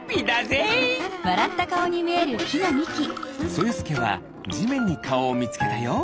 そよすけはじめんにかおをみつけたよ。